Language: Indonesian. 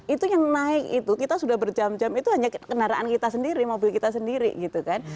itu yang naik itu kita sudah berjam jam itu hanya kendaraan kita sendiri mobil kita sendiri gitu kan